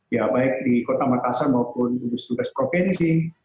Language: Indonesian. ya baik di kota makassar maupun tugas tugas provinsi